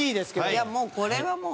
いやもうこれはもう。